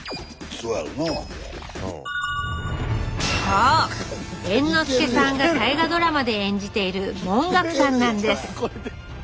そう猿之助さんが大河ドラマで演じている文覚さんなんです。